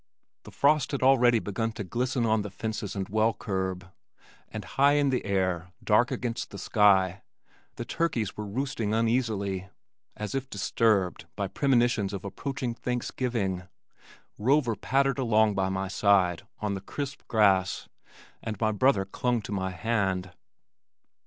The frost had already begun to glisten on the fences and well curb, and high in the air, dark against the sky, the turkeys were roosting uneasily, as if disturbed by premonitions of approaching Thanksgiving. Rover pattered along by my side on the crisp grass and my brother clung to my hand.